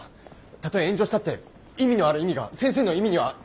たとえ炎上したって意味のある意味が先生の意味にはあると思うんですよ。